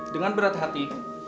dengan berat hati